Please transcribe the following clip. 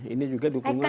ini juga dukungan